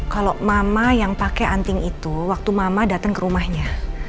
kalau mama yang pakai anting itu waktu mama datang ke rumahnya